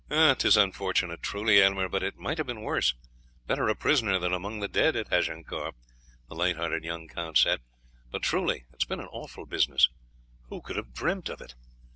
"'Tis unfortunate truly, Aylmer, but it might have been worse; better a prisoner than among the dead at Agincourt," the light hearted young count said; "but truly it has been an awful business. Who could have dreamt of it?